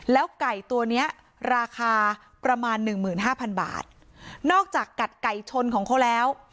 แล้วไก่ตัวเนี้ยราคาประมาณหนึ่งหมื่นห้าพันบาทนอกจากกัดไก่ชนของเขาแล้ว